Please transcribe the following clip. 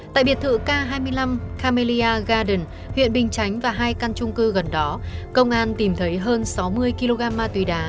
tại biệt thự k hai mươi năm kamelia garden huyện bình chánh và hai căn trung cư gần đó công an tìm thấy hơn sáu mươi kg ma túy đá